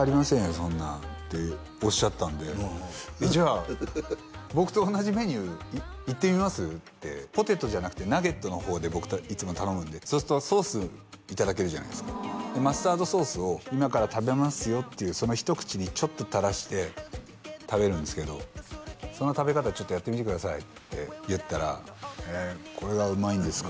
そんなん」っておっしゃったんで「じゃあ僕と同じメニューいってみます？」ってポテトじゃなくてナゲットの方で僕いつも頼むんでそうするとソースいただけるじゃないですかマスタードソースを今から食べますよっていうその一口にちょっと垂らして食べるんですけど「その食べ方ちょっとやってみてください」って言ったら「えこれがうまいんですか」